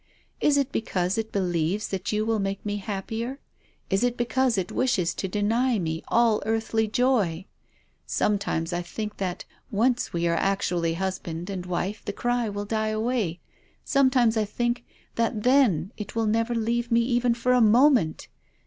Is it because it believes that you will make mc happier ? Is it because it wishes to deny me all earthly joy? Sometimes I think that, once we are actually husband and wife the cry will die away. Sometimes I think that then it will never leave me even for a moment.